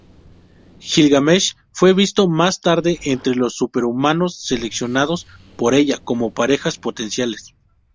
Gilgamesh fue visto más tarde entre los superhumanos seleccionados por Ella como parejas potenciales.